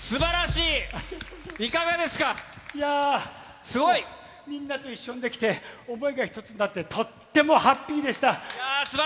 いやー、みんなと一緒にできて、想いが一つになって、とってもハッピーでした。